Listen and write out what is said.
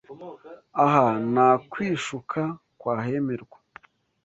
Aha nta kwishuka kwahemerwa